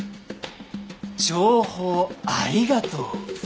情報ありがとう。